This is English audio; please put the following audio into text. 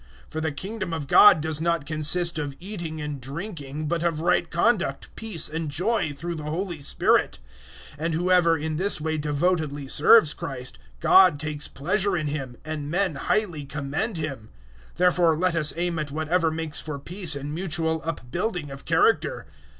014:017 For the Kingdom of God does not consist of eating and drinking, but of right conduct, peace and joy, through the Holy Spirit; 014:018 and whoever in this way devotedly serves Christ, God takes pleasure in him, and men highly commend him. 014:019 Therefore let us aim at whatever makes for peace and mutual upbuilding of character.